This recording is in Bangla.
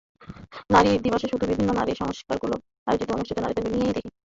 নারী দিবসে শুধু বিভিন্ন নারী সংস্থাগুলোর আয়োজিত অনুষ্ঠান নারীদেরকে নিয়েই দেখি।